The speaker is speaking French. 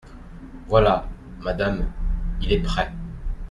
Voilà, madame, il est prêt.